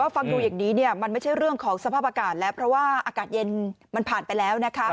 ฟังดูอย่างนี้มันไม่ใช่เรื่องของสภาพอากาศแล้วเพราะว่าอากาศเย็นมันผ่านไปแล้วนะคะ